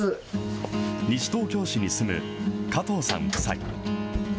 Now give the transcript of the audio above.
西東京市に住む加藤さん夫妻。